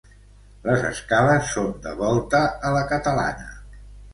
Les escales són de volta a la catalana.